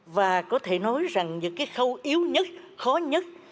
và có thể nói rằng những cái khâu yếu nhất khó nhất